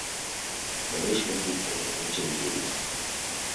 I wish more people were watching this.